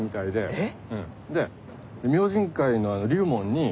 えっ！